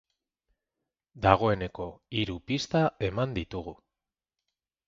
Dagoeneko hiru pista eman ditugu.